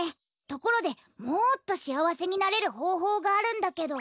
ところでもっとしあわせになれるほうほうがあるんだけど。